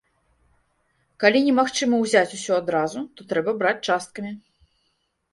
Калі немагчыма ўзяць усё адразу, то трэба браць часткамі.